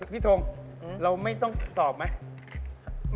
ทงเราไม่ต้องตอบไหม